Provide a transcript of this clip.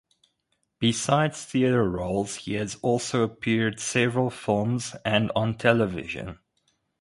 Besides theatre roles he has also appeared several films and on television.